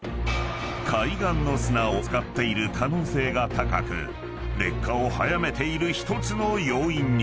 ［海岸の砂を使っている可能性が高く劣化を早めている１つの要因に］